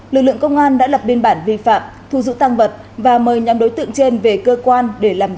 lực lượng công an đã lập biên bản vi phạm thu giữ tăng vật và mời nhóm đối tượng trên về cơ quan để làm rõ